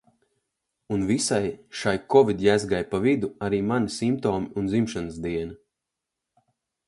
Un visai šai kovidjezgai pa vidu arī mani simptomi un dzimšanas diena.